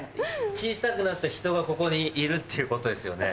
小さくなった人がここにいるっていうことですよね。